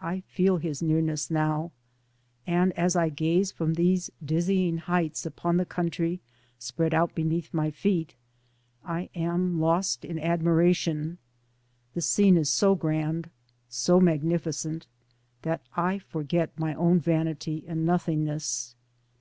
I feel His nearness now, and as I gaze from these dizzy heights upon the country spread out beneath my feet, I am lost in admiration, the scene is so grand, so magnificent, that I forget my own vanity and nothingness.